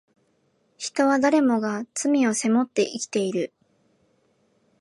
人は誰もが罪を背負って生きている